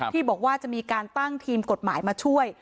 ที่บอกว่าจะมีการตั้งทีมกฎหมายมาช่วย